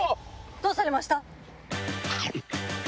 どうされました